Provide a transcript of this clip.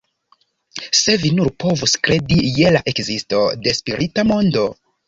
Se vi nur povus kredi je la ekzisto de spirita mondo!